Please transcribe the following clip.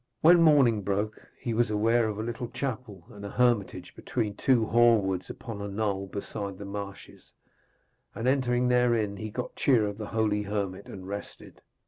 When morning broke he was aware of a little chapel and a hermitage between two hoar woods upon a knoll beside the marshes, and entering therein he got cheer of the holy hermit and rested.